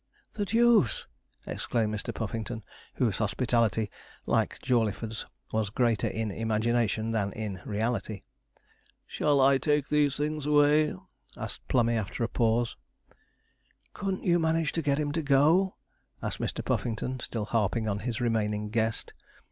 'The deuce!' exclaimed Mr. Puffington, whose hospitality, like Jawleyford's, was greater in imagination than in reality. 'Shall I take these things away?' asked Plummey, after a pause. 'Couldn't you manage to get him to go?' asked Mr. Puffington, still harping on his remaining guest.